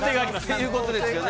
いうことですよね。